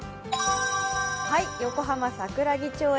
横浜桜木町駅